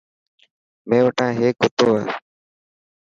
مين وٽا هيڪ ڪتو هي.